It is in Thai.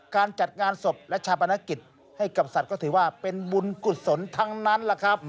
การจัดงานศพและชาปนกิจให้กับสัตว์ก็ถือว่าเป็นบุญกุศลทั้งนั้นล่ะครับ